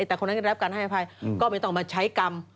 แต่คนนั้นก็ได้รับการให้อภัยก็ไม่ต้องมาใช้กรรม